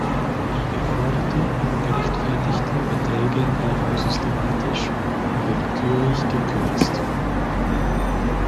Die geforderten und gerechtfertigten Beträge werden systematisch und willkürlich gekürzt.